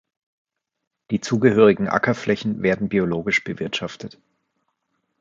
Die zugehörigen Ackerflächen werden biologisch bewirtschaftet.